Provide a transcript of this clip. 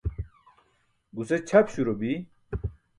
Guse ćʰap śuro bi.